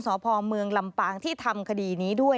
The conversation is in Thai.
สพเมืองลำปางที่ทำคดีนี้ด้วย